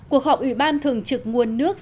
cuộc họp ủy ban thường trực nguồn nước